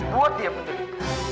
buat dia menderita